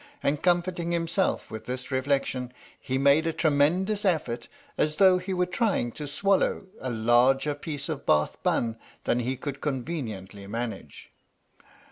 And, comforting himself with this reflection, he made a tremendous effort as though he were trying to swallow a larger piece of Bath bun than he could conveniently manage.